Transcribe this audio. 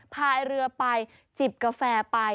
พายเรือไปจิบกาแฟไป